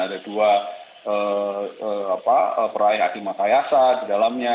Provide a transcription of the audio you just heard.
ada dua peraih ati matayasa di dalamnya